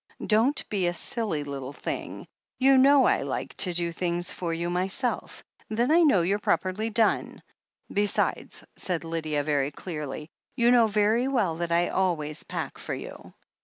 "Don't be a silly little thing. You know I like to do things for you myself — ^then I know they're properly done. Besides," said Lydia very clearly, "you know very well that I always pack for you."